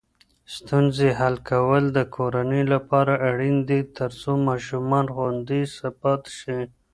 ستونزې حل کول د کورنۍ لپاره اړین دي ترڅو ماشومان خوندي پاتې شي.